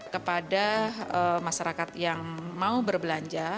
kepada masyarakat yang mau berbelanja